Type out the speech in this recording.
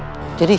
tidak ada masalah